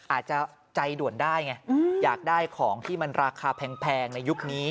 อาจจะใจด่วนได้ไงอยากได้ของที่มันราคาแพงในยุคนี้